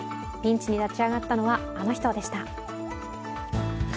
ピンチに立ち上がったのはあの人でした。